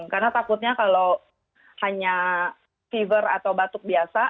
karena takutnya kalau hanya fever atau batuk biasa